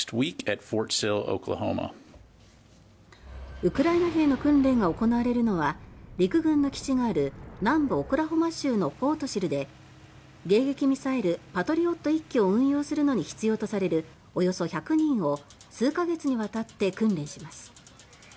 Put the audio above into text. ウクライナ兵の訓練が行われるのは陸軍の基地がある南部オクラホマ州のフォートシルで迎撃ミサイルパトリオット１基を運用するのに必要とされるおよそ１００人を数か月にわたって訓練します。